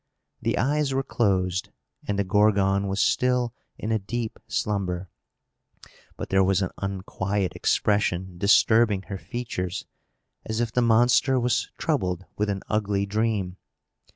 The eyes were closed, and the Gorgon was still in a deep slumber; but there was an unquiet expression disturbing her features, as if the monster was troubled with an ugly dream.